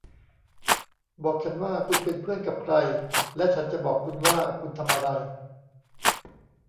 บอกฉันว่าคุณเป็นเพื่อนกับใครและฉันจะบอกคุณว่าคุณทำอะไร